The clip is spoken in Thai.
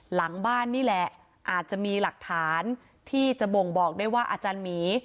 หลังบ้านนี่แหละอาจจะมีหลักฐานที่จะบ่งบอกได้ว่าอาจารย์หมี